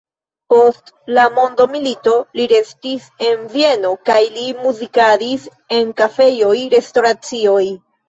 Post la mondomilito li restis en Vieno kaj li muzikadis en kafejoj, restoracioj.